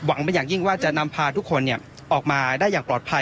เป็นอย่างยิ่งว่าจะนำพาทุกคนออกมาได้อย่างปลอดภัย